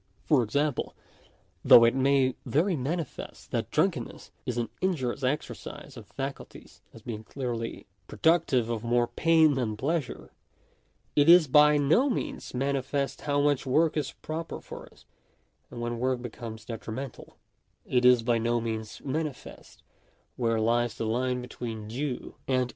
For example, though it is very manifest that drunkenness is an injurious exercise of faculties, as being clearly productive of more pain than pleasure, it is by no means manifest how much work is proper for us, and when work becomes detrimental ; it is by no means manifest where lies the line between due and Digitized by VjOOQIC DERIVATION OF A FIRST PRINCIPLE.